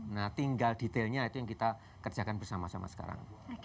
nah tinggal detailnya itu yang kita kerjakan bersama sama sekarang